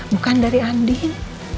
bukan dari andin